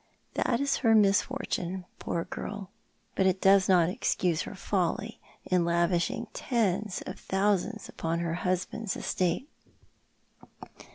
That is her misfortune, poor girl! But it does not excuse her folly in lavishing tens of thousands ujoon her husband's estate."